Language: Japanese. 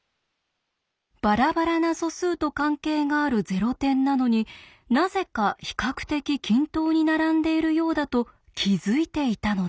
バラバラな素数と関係があるゼロ点なのになぜか比較的均等に並んでいるようだと気付いていたのです。